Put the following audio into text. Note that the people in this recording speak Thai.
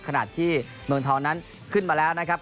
ขณะที่เมืองทองนั้นขึ้นมาแล้วนะครับ